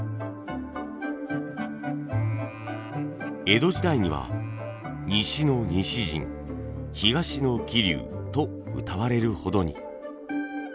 江戸時代には「西の西陣東の桐生」とうたわれるほどに。